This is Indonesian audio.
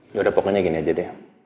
ya udah pokoknya gini aja deh